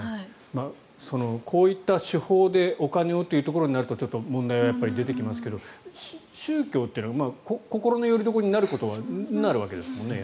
こういった手法でお金をというところになるとちょっと問題がやっぱり出てきますけど宗教というのは心のよりどころになることはなるわけですもんね。